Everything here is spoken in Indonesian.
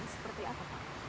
seperti apa pak